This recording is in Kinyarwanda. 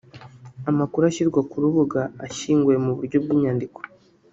Amakuru ashyirwa ku rubuga ashyinguye mu buryo bw’inyandiko